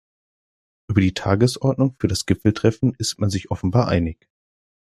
Über die Tagesordnung für das Gipfeltreffen ist man sich offenbar einig.